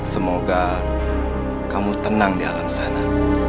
semoga kamu tenang di alam sana